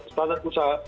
standar usaha apa